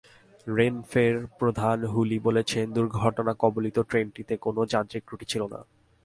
রেনফের প্রধান হুলিও বলেছেন, দুর্ঘটনাকবলিত ট্রেনটিতে কোনো যান্ত্রিক ত্রুটি ছিল না।